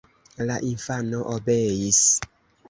La infano obeis.